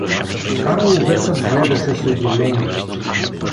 Карловецът гледаше с удивление.